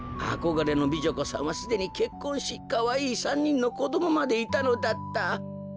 あこがれの美女子さんはすでにけっこんしかわいい３にんのこどもまでいたのだった。